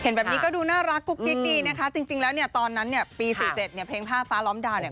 แบบนี้ก็ดูน่ารักกุ๊กกิ๊กดีนะคะจริงแล้วเนี่ยตอนนั้นเนี่ยปี๔๗เนี่ยเพลงผ้าฟ้าล้อมดาวเนี่ย